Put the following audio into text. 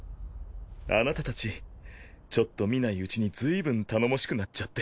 あなたたちちょっと見ないうちにずいぶん頼もしくなっちゃって。